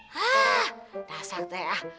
hah dasar teh ah